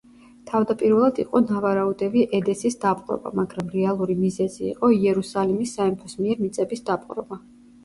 თავდაპირველად იყო ნავარაუდევი ედესის დაპყრობა, მაგრამ რეალური მიზეზი იყო იერუსალიმის სამეფოს მიერ მიწების დაპყრობა.